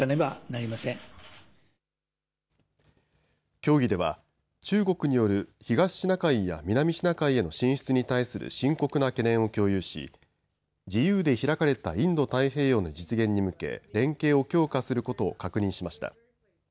協議では中国による東シナ海や南シナ海への進出に対する深刻な懸念を共有し自由で開かれたインド太平洋の実現に向け連携を強化することを確認しました。